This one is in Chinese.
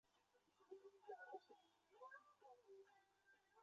这些影响反映了苏里南历史的发展。